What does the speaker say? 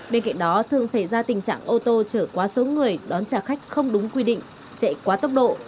bên cạnh đó thường xảy ra tình trạng ô tô trở quá số người đón trả khách không đúng quy định chạy quá tốc độ